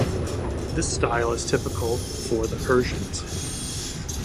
This style is typical for the Persians.